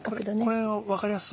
これ分かりやすい。